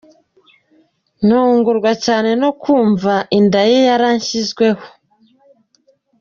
Ntungurwa cyane no kumva inda ye yaranshyizweho.